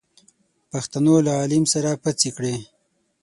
پښتنو له عليم سره پڅې کړې.